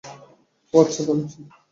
ও আচ্ছা, দারুণ চিন্তা।